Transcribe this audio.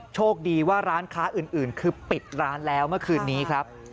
โชคดีว่าร้านค้าอื่นคือปิดร้านแล้วเมื่อคืนนี้ครับ